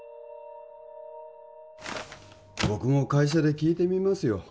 僕も会社で聞いてみますよ